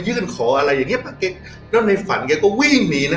เยื่อนขออะไรอย่างเงี้ยมาแล้วในฝันแกก็วิ่งหนีนะ